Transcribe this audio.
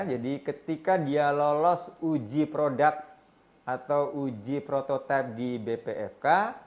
jadi ketika dia lolos uji produk atau uji prototipe di bpfk